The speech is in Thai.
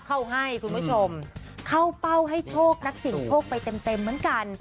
เข้าให้คุณผู้ชมเข้าเป้าให้โชคนักเสียงโชคไปเต็มเต็มเหมือนกัน